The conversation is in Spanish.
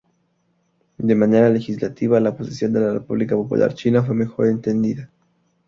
De manera legislativa, la posición de la República Popular China fue mejor entendida.